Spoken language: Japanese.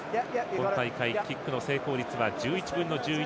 今大会、キックの成功率は１１分の１１。